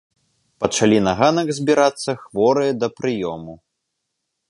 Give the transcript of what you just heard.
Пачалі на ганак збірацца хворыя да прыёму.